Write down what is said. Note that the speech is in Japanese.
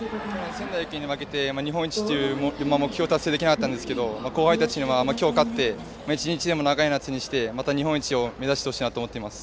仙台育英に負けて日本一という目標を達成できなかったんですが後輩たちには今日、勝って１日でも長い夏にしてまた日本一を目指してほしいと思います。